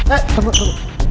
eh tunggu tunggu